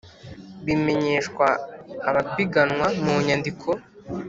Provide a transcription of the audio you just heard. bimenyeshwa abapiganwa mu nyandiko